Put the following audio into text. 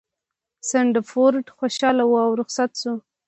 سنډفورډ خوشحاله شو او رخصت شو.